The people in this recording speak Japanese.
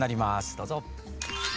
どうぞ。